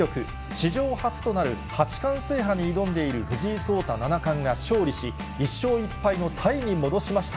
史上初となる八冠制覇に挑んでいる藤井聡太七冠が勝利し、１勝１敗のタイに戻しました。